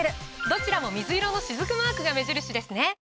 どちらも水色のしずくマークが目印ですね！